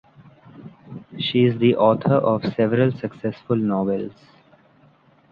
She’s the author of several successful novels.